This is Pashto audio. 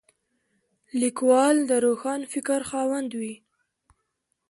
لیکوال د روښان فکر خاوند وي.